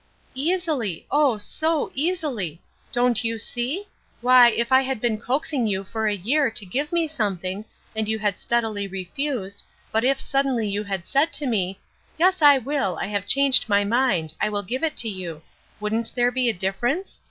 "Easily; oh, so easily! Don't you see? Why, if I had been coaxing you for a year to give me something, and you had steadily refused, but if suddenly you had said to me, 'Yes. I will; I have changed my mind; I will give it to you,' wouldn't there be a difference?